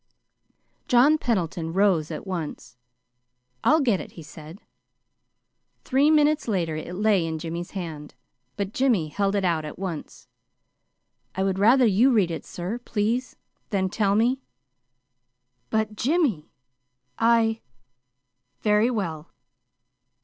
John Pendleton rose at once. "I'll get it," he said. Three minutes later it lay in Jimmy's hand; but Jimmy held it out at once. "I would rather you read it, sir, please. Then tell me." "But, Jimmy, I very well."